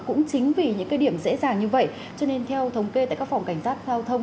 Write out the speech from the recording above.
cũng chính vì những cái điểm dễ dàng như vậy cho nên theo thống kê tại các phòng cảnh sát giao thông